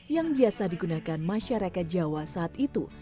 yang biasa digunakan masyarakat jawa saat itu